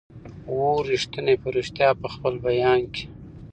وو ریښتونی په ریشتیا په خپل بیان کي